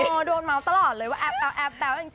โอ้โฮโดนเมาส์ตลอดเลยว่าแอบแบ๊วแอบแบ๊วจริง